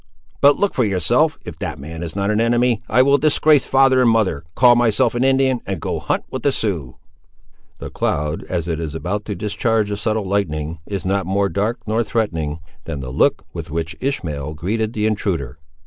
But look for yourself: if that man is not an enemy, I will disgrace father and mother, call myself an Indian, and go hunt with the Siouxes!" The cloud, as it is about to discharge the subtle lightning, is not more dark nor threatening, than the look with which Ishmael greeted the intruder.